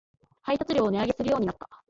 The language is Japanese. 配達料を値上げするようになった